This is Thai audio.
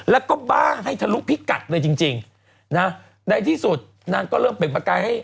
แล้วก็บ้าให้ทะลุพิกัดเลยจริงจริงนะในที่สุดนางก็เริ่มเปลี่ยนประกายให้